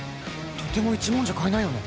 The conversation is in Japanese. とても１万じゃ買えないよね？